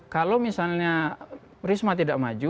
kalau misalnya risma tidak maju